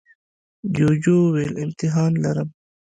جوجو وویل امتحان لرم.